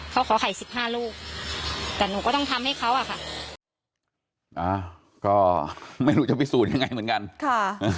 เขาขอไข่๑๕ลูกแต่หนูก็ต้องทำให้เขาอะค่ะ